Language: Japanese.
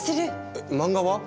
えっ漫画は？